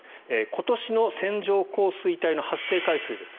今年の線状降水帯の発生回数です。